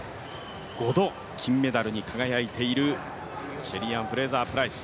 ５度、金メダルに輝いているシェリーアン・フレイザープライス。